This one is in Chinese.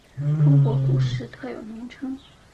中国股市特有名称。